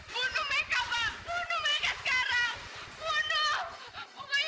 pokoknya kamu harus sekolah